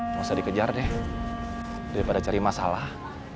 nggak usah dikejar deh daripada cari masalah